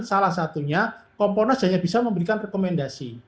salah satunya komponas hanya bisa memberikan rekomendasi